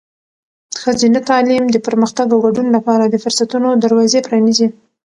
ښځینه تعلیم د پرمختګ او ګډون لپاره د فرصتونو دروازې پرانیزي.